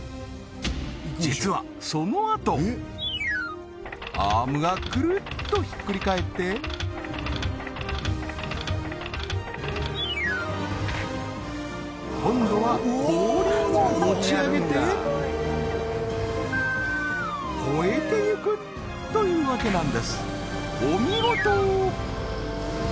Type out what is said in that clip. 実はアームがくるっとひっくり返って今度は後輪を持ち上げて越えていくというわけなんですお見事！